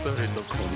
この